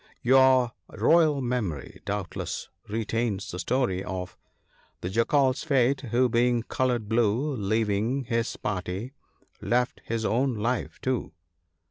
Your royal memory doubtless retains the story of " The Jackal's fate, who being coloured blue, Leaving his party, left his own life too.